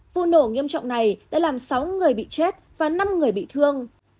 vụ nổ nghiêm trọng này đã làm sáu người bị chết và năm người bị thương